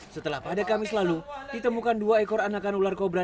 setelah pada kamis lalu ditemukan dua ekor anakan ular kobra